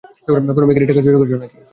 কোনো ভিখারির টাকা চুরি করেছো, নাকি?